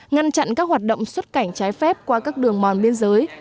ngăn chặn các hoạt động xuất cảnh trái phép qua các đường mòn biên giới